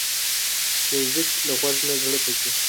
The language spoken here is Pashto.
موزیک له غوږ نه زړه ته ځي.